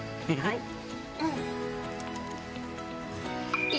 はい。